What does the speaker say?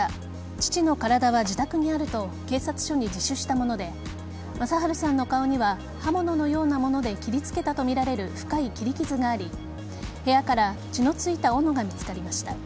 父の体は自宅にあると警察署に自首したもので正春さんの顔には刃物のようなもので切りつけたとみられる深い切り傷があり部屋から血の付いたおのが見つかりました。